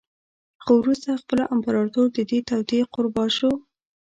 خو وروسته خپله امپراتور د دې توطیې قربا شو